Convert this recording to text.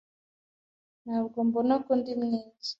Ntabwo mbona ko ndi mwiza.